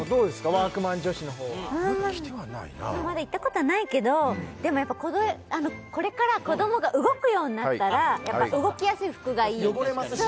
ワークマン女子の方は着てはないなまだ行ったことはないけどでもやっぱこれから子どもが動くようになったら動きやすい服がいい汚れますしね